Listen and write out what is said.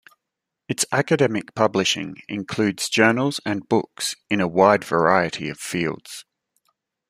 Its academic publishing includes journals and books in a wide variety of fields.